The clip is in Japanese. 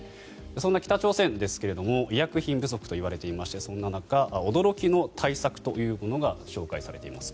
そんな北朝鮮ですが医薬品不足といわれていましてそんな中驚きの対策というものが紹介されています。